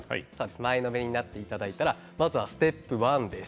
前のめりになっていただいたらステップ１です。